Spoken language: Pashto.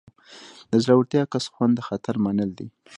د زړور کس خوند د خطر منل دي.